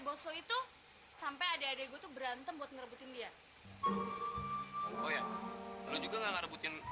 bos itu sampai ada gue tuh berantem buat ngerebutin dia oh ya juga nggak ngerebutin